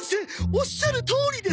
おっしゃるとおりです。